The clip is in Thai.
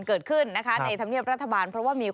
เกิดขึ้นนะคะในธรรมเนียบรัฐบาล